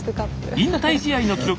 引退試合の記録